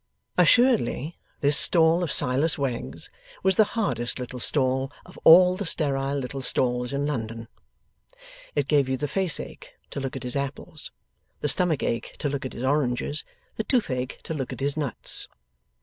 Assuredly, this stall of Silas Wegg's was the hardest little stall of all the sterile little stalls in London. It gave you the face ache to look at his apples, the stomach ache to look at his oranges, the tooth ache to look at his nuts.